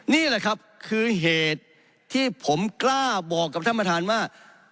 นี่แหละครับคือเหตุที่ผมกล้าบอกกับท่านประธานว่า